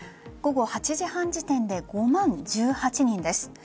午後８時半時点で５万１８人です。